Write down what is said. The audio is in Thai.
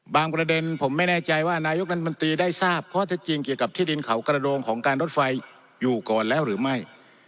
ประเด็นผมไม่แน่ใจว่านายกรัฐมนตรีได้ทราบข้อเท็จจริงเกี่ยวกับที่ดินเขากระโดงของการรถไฟอยู่ก่อนแล้วหรือไม่